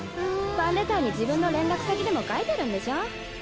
ファンレターに自分の連絡先でも書いてるんでしょ。